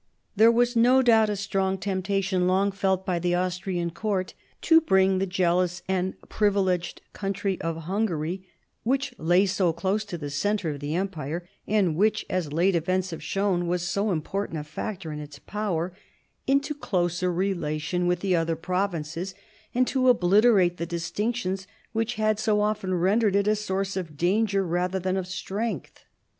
There was no doubt a strong temptation long felt by the Austrian court to bring the jealous and privileged country of Hungary (which lay so close to the centre of the Empire, and which, as late events had shown, was so important a factor in its power) into closer relation with the other provinces, and to obliterate the distinctions which had so often rendered it a source of danger rather than of strength.